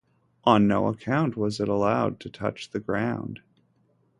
On no account was it allowed to touch the ground.